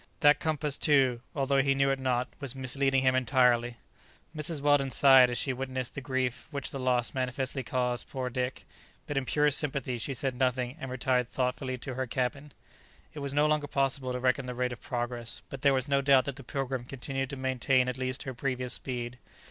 That compass, too, although he knew it not, was misleading him entirely! Mrs. Weldon sighed as she witnessed the grief which the loss manifestly caused poor Dick, but in purest sympathy she said nothing, and retired thoughtfully to her cabin. It was no longer possible to reckon the rate of progress, but there was no doubt that the "Pilgrim" continued to maintain at least her previous speed.